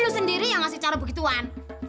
lu sendiri yang ngasih cara begituan